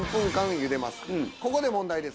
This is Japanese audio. ここで問題です。